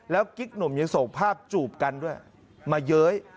กิ๊กหนุ่มยังส่งภาพจูบกันด้วยมาเย้ย